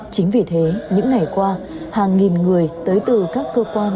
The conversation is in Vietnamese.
chính vì thế những ngày qua hàng nghìn người tới từ các cơ quan